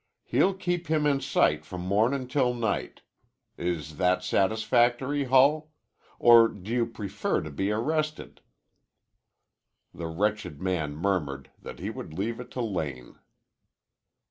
He'll keep him in sight from mornin' till night. Is that satisfactory, Hull? Or do you prefer to be arrested?" The wretched man murmured that he would leave it to Lane.